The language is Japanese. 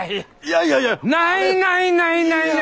ないないないないない。